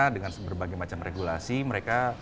dengan berbagai macam regulasi mereka